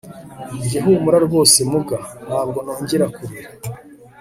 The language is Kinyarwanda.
Njye humura rwose muga ntabwo nongera kurira